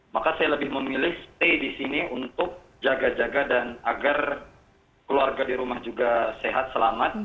maka saya lebih memilih stay di sini untuk jaga jaga dan agar keluarga di rumah juga sehat selamat